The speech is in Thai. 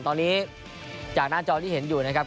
ตอนนี้จากหน้าจอที่เห็นอยู่นะครับ